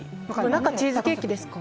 中、チーズケーキですか？